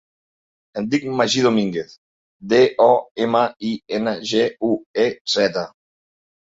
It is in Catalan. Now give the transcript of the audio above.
Em dic Magí Dominguez: de, o, ema, i, ena, ge, u, e, zeta.